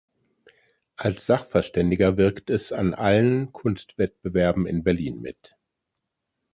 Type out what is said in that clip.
Als Sachverständiger wirkt es an allen Kunstwettbewerben in Berlin mit.